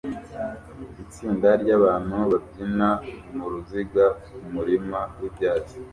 Itsinda ryabantu babyina muruziga kumurima wibyatsi